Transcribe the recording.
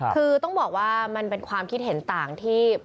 คือต้องบอกว่ามันเป็นความคิดเห็นต่างที่